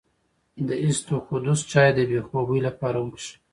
د اسطوخودوس چای د بې خوبۍ لپاره وڅښئ